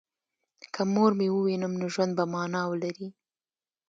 که مور مې ووینم نو ژوند به مانا ولري